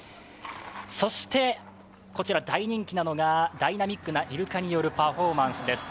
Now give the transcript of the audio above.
そして大人気なのがダイナミックなイルカによるパフォーマンスです。